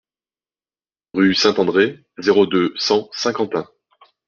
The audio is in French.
Rue Saint-André, zéro deux, cent Saint-Quentin